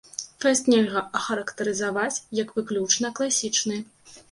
Фэст нельга ахарактарызаваць як выключна класічны.